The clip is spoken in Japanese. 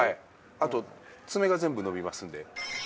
あと爪が全部伸びますんで。